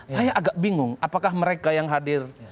saya agak bingung apakah mereka yang hadir